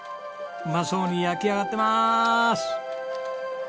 うまそうに焼き上がってます。